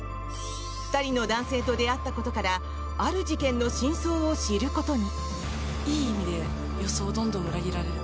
２人の男性と出会ったことからある事件の真相を知ることに。